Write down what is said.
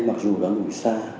mặc dù đã ngủ xa